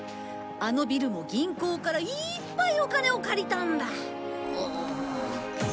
あのビルも銀行からいーっぱいお金を借りたんだ。